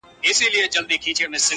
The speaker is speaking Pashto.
• زما وجود مي خپل جانان ته نظرانه دی..